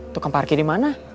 tukang parkir di mana